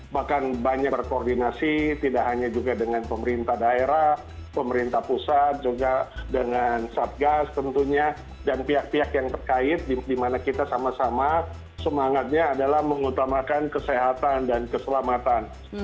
bahkan banyak berkoordinasi tidak hanya juga dengan pemerintah daerah pemerintah pusat juga dengan satgas tentunya dan pihak pihak yang terkait di mana kita sama sama semangatnya adalah mengutamakan kesehatan dan keselamatan